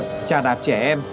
tra đạp trẻ em